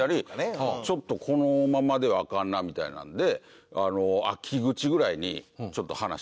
ちょっとこのままではアカンなみたいなので。